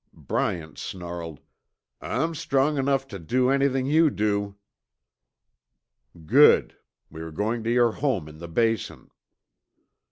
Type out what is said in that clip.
Bryant snarled, "I'm strong enough tuh do anything you do!" "Good. We are going to your home in the Basin."